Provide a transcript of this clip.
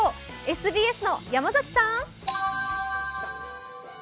ＳＢＳの山崎さん。